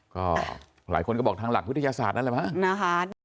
ก็หลายคนก็บอกทางหลักวิทยาศาสตร์นั่นแหละมั้งนะคะ